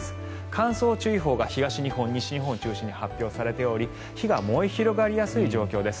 乾燥注意報が東日本、西日本を中心に発表されており火が燃え広がりやすい状況です。